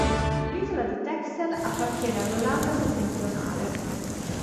L'isola di Texel appartiene all'Olanda settentrionale.